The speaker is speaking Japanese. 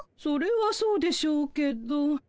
それはそうでしょうけど。